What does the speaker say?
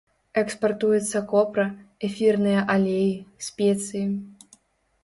Экспартуецца копра, эфірныя алеі, спецыі.